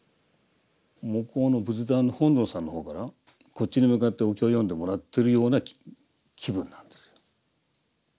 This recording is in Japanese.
向こうの仏壇の本尊さんの方からこっちに向かってお経を読んでもらってるような気分なんですよ。